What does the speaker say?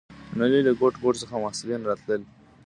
د نړۍ له ګوټ ګوټ څخه محصلین راتلل.